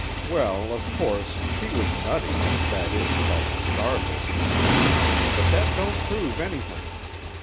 "Well, of course, she was nutty, that is, about the star business. But that don't prove anything.